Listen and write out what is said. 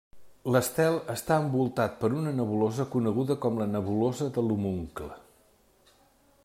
L'estel està envoltat per una nebulosa coneguda com la nebulosa de l'Homuncle.